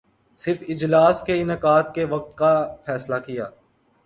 صرف اجلاس کے انعقاد کے وقت کا فیصلہ کیا